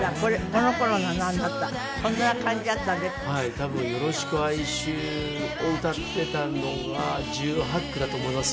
多分『よろしく哀愁』を歌ってたのが１８１９だと思います。